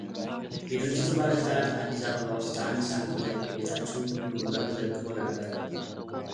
የድርጅቱ ባለሥልጣናት አዲስ አበባ ውስጥ ከአንድ ሳምንት በላይ መቆየታቸውን ብሉምበርግ ዘግቦ ነበር።